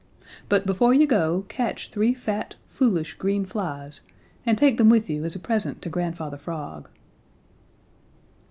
But before you go catch three fat, foolish, green flies and take them with you as a present to Grandfather Frog."